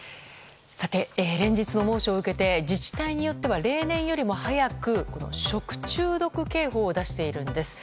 さて、連日の猛暑を受けて自治体によっては例年よりも早く食中毒警報を出しているんです。